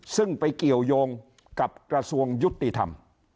ซึ่งไปเกี่ยวยงกับกระทรวงยุติธรรม